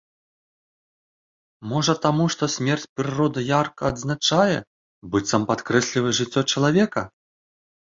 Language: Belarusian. Можа, таму, што смерць прыроды ярка адзначае, быццам падкрэслівае жыццё чалавека?